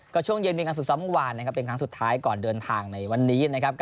ก็ช่วงเย็นมีการฝึกซ้อมเมื่อวานนะครับเป็นครั้งสุดท้ายก่อนเดินทางในวันนี้นะครับ